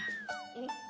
えっ？